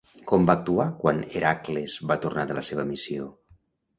Com va actuar quan Heràcles va tornar de la seva missió?